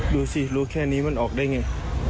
ดูสิรู้แค่นี้มันออกได้ไง